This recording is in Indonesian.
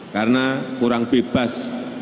karena kurang bebas